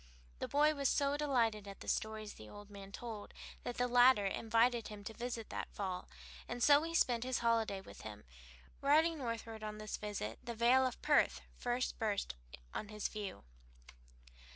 The boy was so delighted at the stories the old man told that the latter invited him to visit him that fall, and so he spent his holiday with him. Riding northward on this visit the vale of Perth first burst on his view.